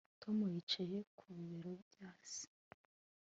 Tom yicaye ku bibero bya se